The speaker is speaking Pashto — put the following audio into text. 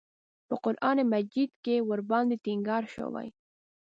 په قران مجید کې ورباندې ټینګار شوی.